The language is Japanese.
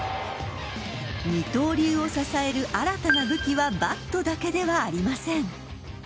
二刀流を支える新たな武器はバットだけではありません。